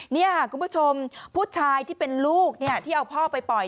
นี่ค่ะคุณผู้ชมผู้ชายที่เป็นลูกที่เอาพ่อไปปล่อย